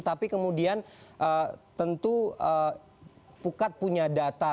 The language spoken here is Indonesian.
tapi kemudian tentu pukat punya data